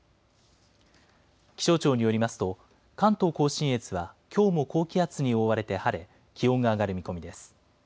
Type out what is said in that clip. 気象庁によりますと、関東甲信越はきょうも高気圧に覆われて晴れ、気温が上がる見込みです。